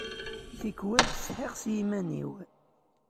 Tikwal ttsetḥiɣ s yiman-iw.